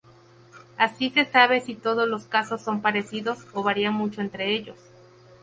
Así se sabe si todos los casos son parecidos o varían mucho entre ellos.